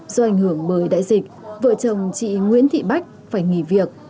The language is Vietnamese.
do ảnh hưởng bởi đại dịch vợ chồng chị nguyễn thị bách phải nghỉ việc